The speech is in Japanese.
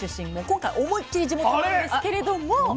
今回思いっきり地元なんですけれども。